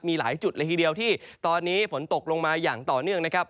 มีหลายจุดเลยทีเดียวที่ตอนนี้ฝนตกลงมาอย่างต่อเนื่องนะครับ